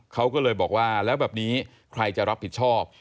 เขาก็เลยบอกว่าแล้วแบบนี้ใครจะรับผิดชอบ